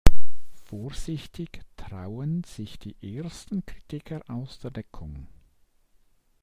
Vorsichtig trauen sich die ersten Kritiker aus der Deckung.